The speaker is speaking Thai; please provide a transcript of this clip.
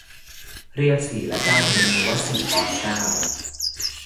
เรียกสี่และเก้าเพนนีว่าสี่ปอนด์เก้า